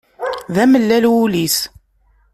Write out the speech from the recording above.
d amellal wul-is.